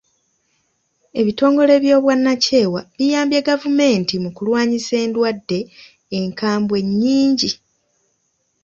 Ebitongole by'obwannakyewa biyambye gavumenti mu kulwanyisa endwadde enkambwe nnyingi.